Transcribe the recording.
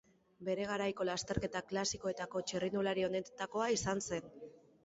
Bere garaiko lasterketa klasikoetako txirrindulari onenetakoa izan zen.